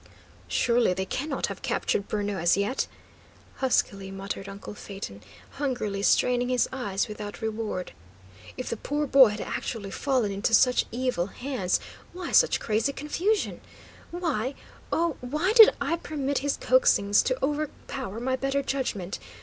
"Surely they cannot have captured Bruno, as yet?" huskily muttered uncle Phaeton, hungrily straining his eyes without reward. "If the poor boy had actually fallen into such evil hands, why such crazy confusion? Why oh, why did I permit his coaxings to overpower my better judgment?